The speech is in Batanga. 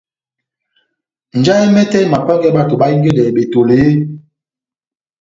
Njahɛ mɛtɛ emapángɛ bato bahingedɛ betoli eeeh ?